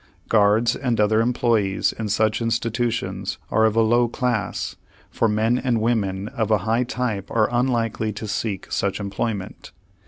Guards and other employees in such institutions are of a low class, for men and women of a high type are unlikely to seek such employment.